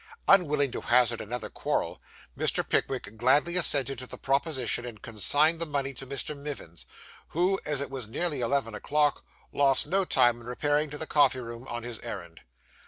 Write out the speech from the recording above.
Unwilling to hazard another quarrel, Mr. Pickwick gladly assented to the proposition, and consigned the money to Mr. Mivins, who, as it was nearly eleven o'clock, lost no time in repairing to the coffee room on his errand.